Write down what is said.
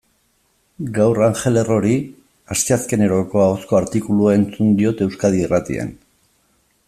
Gaur Angel Errori asteazkeneroko ahozko artikulua entzun diot Euskadi Irratian.